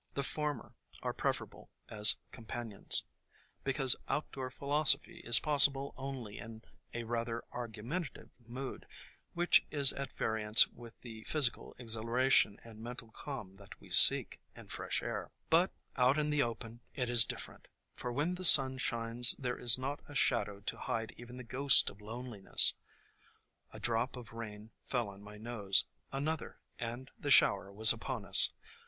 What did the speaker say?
The former are preferable as companions, because outdoor philosophy is possible only in a rather argu mentative mood, which is at variance with the physical exhilaration and mental calm that we seek in fresh air. But out in the open it is different, for when the sun shines there is not a shadow to hide even the ghost of loneliness. A drop of rain fell on my nose; another, and THE COMING OF SPRING 31 the shower was upon us.